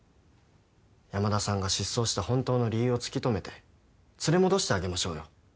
山田さんが失踪した本当の理由を突き止めて連れ戻してあげましょうよ。